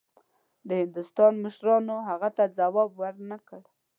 د هندوستان مشرانو هغه ته ځواب ورنه کړ.